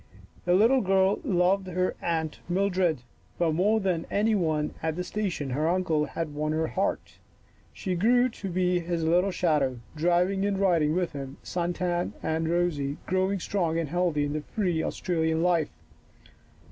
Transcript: The little girl loved her Aunt Mildred, but more than any one at the station her uncle had won her heart. She grew to be his little shadow, driving and riding with him, sun tanned and rosy, growing strong and healthy in the free Australian life.